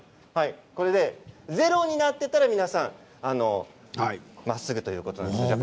０になっていたら皆さんまっすぐということです。